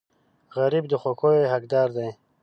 غریب د خوښیو حقدار دی